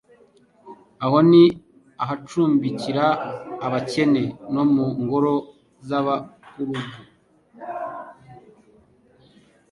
aho ni ahacumbikira abakene, no mu ngoro z'abakurugu,